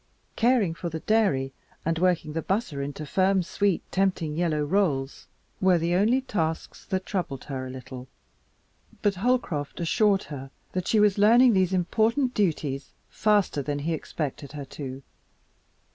Caring for the dairy and working the butter into firm, sweet, tempting yellow rolls were the only tasks that troubled her a little, but Holcroft assured her that she was learning these important duties faster than he had expected her to.